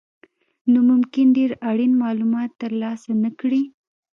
نو ممکن ډېر اړین مالومات ترلاسه نه کړئ.